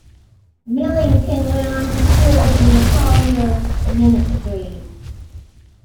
Millington went on to serve in the Collier Ministry.